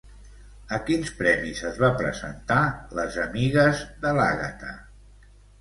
A quins premis es va presentar Les amigues de l'Àgata?